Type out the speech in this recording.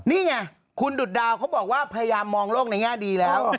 นี่ไงคุณดุดดาวเขาบอกว่าพยายามมองโลกในแง่ดีแล้ว